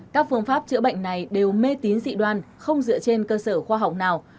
các phương pháp chữa bệnh này đều mê tín dị đoan không dựa trên cơ sở khoa học nào